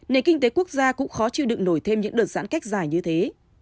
nền kinh tế quốc gia cũng khó chịu đựng nổi thêm những đợt giãn cách dài như thế